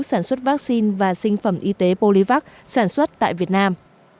sản xuất vaccine và sinh phẩm y tế polivac sản xuất tại việt nam